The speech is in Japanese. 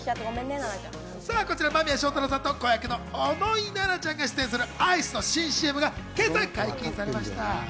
間宮祥太朗さんと子役の小野井奈々ちゃんが出演するアイスの新ＣＭが今朝解禁されました。